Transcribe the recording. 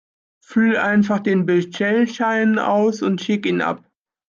Füll einfach den Bestellschein aus und schick ihn ab.